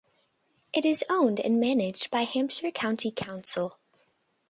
It is owned and managed by Hampshire County Council.